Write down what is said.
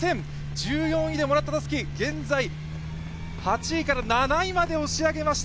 １４位でもらったたすき、現在８位から７位まで押し上げました。